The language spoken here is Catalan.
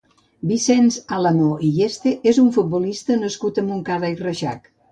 Vicenç Àlamo i Yeste és un futbolista nascut a Montcada i Reixac.